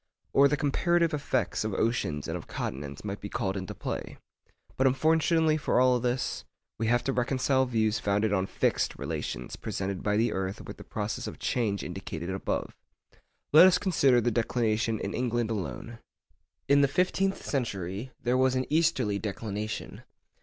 Or the comparative effects of oceans and of continents might be called into play. But unfortunately for all this, we have to reconcile views founded on fixed relations presented by the earth with the process of change indicated above. Let us consider the declination in England alone. In the fifteenth century there was an easterly declination.